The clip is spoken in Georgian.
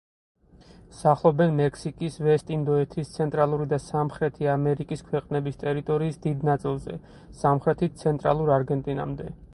სახლობენ მექსიკის, ვესტ-ინდოეთის, ცენტრალური და სამხრეთი ამერიკის ქვეყნების ტერიტორიის დიდ ნაწილზე, სამხრეთით ცენტრალურ არგენტინამდე.